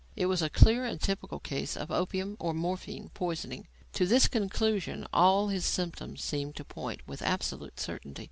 It was a clear and typical case of opium or morphine poisoning. To this conclusion all his symptoms seemed to point with absolute certainty.